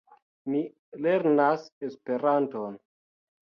Mi lernas Esperanton.